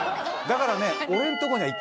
だからね。